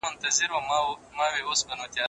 فزیکي فعالیت د زړه مرسته کوي.